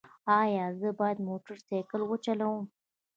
ایا زه باید موټر سایکل وچلوم؟